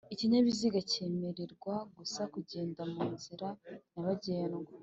Ikinyabiziga cyemererwa gusa kugenda mu nzira nyabagendwa